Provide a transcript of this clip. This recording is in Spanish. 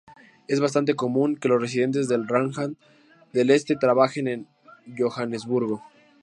Es bastante común que los residentes del Rand del Este trabajen en Johannesburgo.